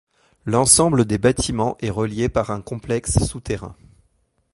L'ensemble des bâtiments est relié par un complexe souterrain.